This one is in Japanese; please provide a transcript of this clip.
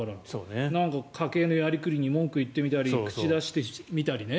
なんか、家計のやりくりに文句を言ってみたり口出してみたりね。